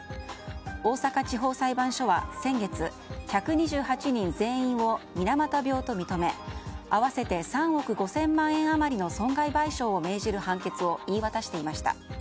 大阪地方裁判所は先月１２８人全員を水俣病と認め合わせて３億５０００万円余りの損害賠償を命じる判決を言い渡していました。